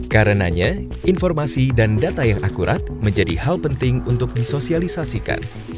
karenanya informasi dan data yang akurat menjadi hal penting untuk disosialisasikan